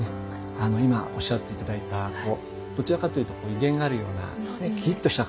今おっしゃって頂いたどちらかというと威厳があるようなキリっとした顔ですよね。